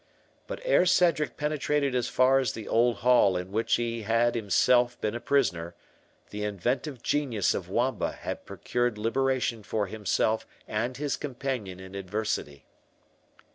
But ere Cedric penetrated as far as the old hall in which he had himself been a prisoner, the inventive genius of Wamba had procured liberation for himself and his companion in adversity.